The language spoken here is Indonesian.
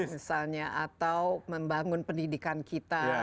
misalnya atau membangun pendidikan kita